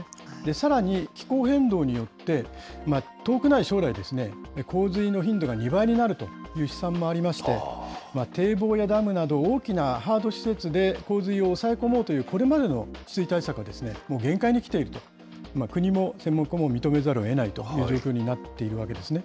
さらに気候変動によって、遠くない将来、洪水の頻度が２倍になるという試算もありまして、堤防やダムなど、大きなハード施設で洪水を抑え込もうというこれまでの治水対策はもう限界にきていると、国も専門家も認めざるをえないという状況になっているわけですね。